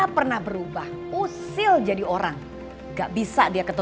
pengen lu yang tahu hal moo